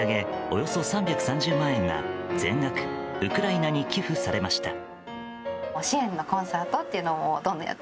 およそ３３０万円が全額ウクライナに寄付されました。